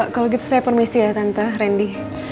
kalau gitu saya permisi ya tante rendy